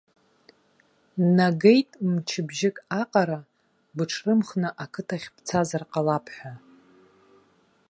Нагеит мчыбжьык аҟара быҽрымхны ақыҭахь бцазар ҟалап ҳәа.